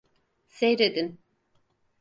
Seyredin.